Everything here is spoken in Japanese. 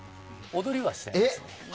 踊りはしないですね。